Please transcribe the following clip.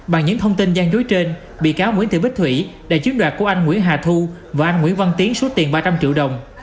bằng những thông tin gian dối trên bị cáo nguyễn thị bích thủy đã chiếm đoạt của anh nguyễn hà thu và anh nguyễn văn tiến số tiền ba trăm linh triệu đồng